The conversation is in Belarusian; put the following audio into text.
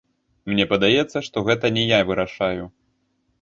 Мне падаецца, што гэта не я вырашаю.